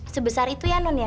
sebesar itu ya non ya